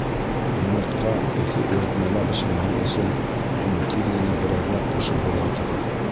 Йомортҡа эҫе иретмәлә бешмәһен өсөн, уны тиҙ генә берәрләп ҡушып болғатығыҙ.